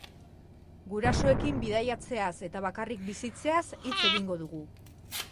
Gurasoekin bidaiatzeaz eta bakarrik bizitzeaz hitz egingo dugu.